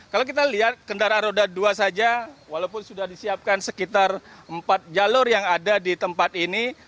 kalau kita lihat kendaraan roda dua saja walaupun sudah disiapkan sekitar empat jalur yang ada di tempat ini